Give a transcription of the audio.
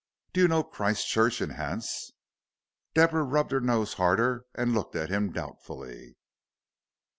"Do you know Christchurch in Hants?" Deborah rubbed her nose harder and looked at him doubtfully.